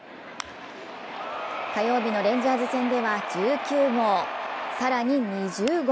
火曜日のレンジャーズ戦では１９号、さらに２０号。